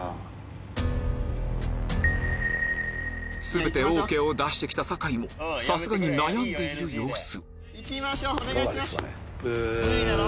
全てＯＫを出して来た酒井もさすがに悩んでいる様子